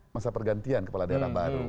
masa pergantian kepala daerah baru